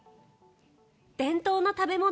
伝統の食べ物